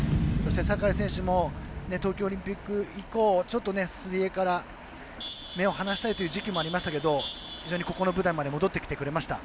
酒井選手も東京オリンピック以降ちょっと水泳から目を離したいという時期もありましたけど非常に、この舞台まで戻ってきてくれました。